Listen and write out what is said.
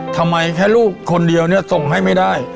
ทำไมแค่ลูกคนเดียวเนี่ยส่งให้ไม่ได้